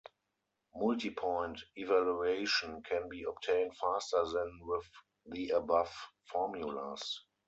Multipoint evaluation can be obtained faster than with the above formulas.